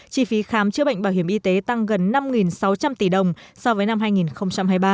chi phí khám chữa bệnh bảo hiểm y tế tăng gần năm sáu trăm linh tỷ đồng so với năm hai nghìn hai mươi ba